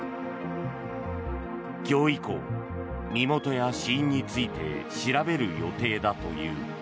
今日以降、身元や死因について調べる予定だという。